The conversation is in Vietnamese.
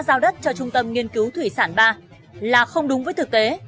giao đất cho trung tâm nghiên cứu thủy sản ba là không đúng với thực tế